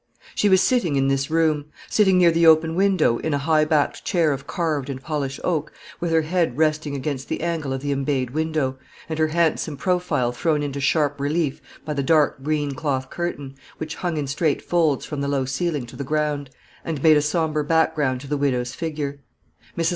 She was sitting in this room, sitting near the open window, in a high backed chair of carved and polished oak, with her head resting against the angle of the embayed window, and her handsome profile thrown into sharp relief by the dark green cloth curtain, which hung in straight folds from the low ceiling to the ground, and made a sombre background to the widow's figure. Mrs.